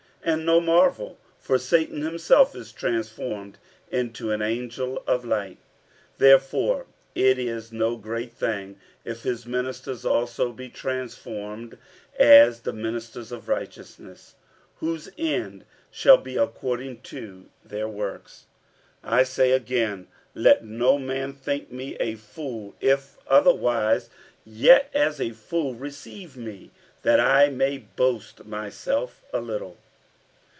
47:011:014 And no marvel; for Satan himself is transformed into an angel of light. 47:011:015 Therefore it is no great thing if his ministers also be transformed as the ministers of righteousness; whose end shall be according to their works. 47:011:016 I say again, Let no man think me a fool; if otherwise, yet as a fool receive me, that I may boast myself a little.